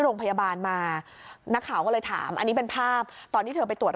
โรงพยาบาลมานักข่าวก็เลยถามอันนี้เป็นภาพตอนที่เธอไปตรวจ